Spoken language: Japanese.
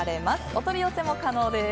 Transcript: お取り寄せも可能です。